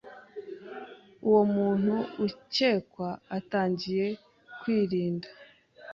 uwo muntu ukekwa atangiye kwirinda,